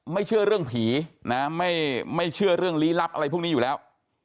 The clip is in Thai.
เชื่อเรื่องผีนะไม่เชื่อเรื่องลี้ลับอะไรพวกนี้อยู่แล้ว